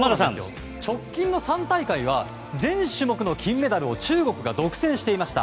直近３大会は全種目の金メダルを中国が独占していました。